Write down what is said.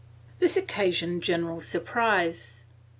This occasioned general surprise.